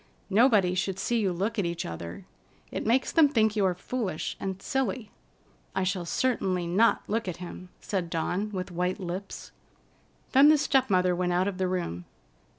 Nobody should see you look at each other. It makes them think you are foolish and silly." "I shall certainly not look at him," said Dawn with white lips. Then the step mother went out of the room.